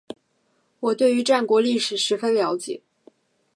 我对于战国历史十分了解